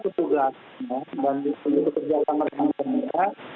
dan penyelenggara penyelenggara lainnya